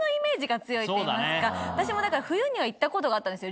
私もだから冬には行ったことがあったんですよ